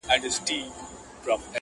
د ړندو په ښار کي وېش دی چي دا چور دی،